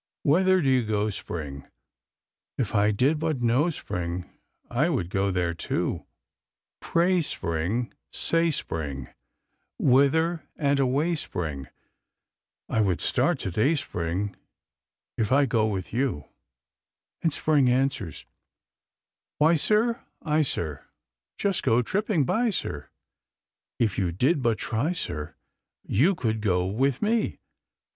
Whither do you go, Spring? If I did but know. Spring, I would go there, too. Pray, Spring, Say, Spring, Whither and away, Spring? I would start to day, Spring, If I go with you. And Spring answers: "Why, sir, I, sir, Just go tripping by, sir If you did but try, sir, You could go with me.